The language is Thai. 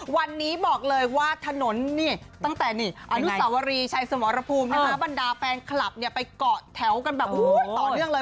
วันนี้บอกเลยว่าถนนนี่ตั้งแต่อนุสาวรีชัยสมรภูมินะคะบรรดาแฟนคลับไปเกาะแถวกันแบบต่อเนื่องเลย